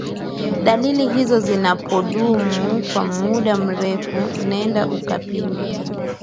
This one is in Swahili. dalili hizo zinapodumu kwa muda mrefu nenda ukapime